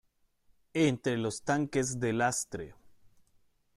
entre los tanques de lastre.